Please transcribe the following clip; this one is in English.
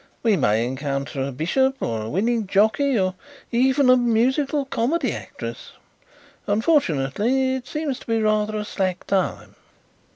We may encounter a bishop, or a winning jockey, or even a musical comedy actress. Unfortunately it seems to be rather a slack time."